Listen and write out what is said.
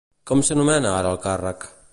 Com s'anomena ara el càrrec?